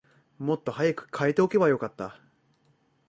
もっと早く替えておけばよかった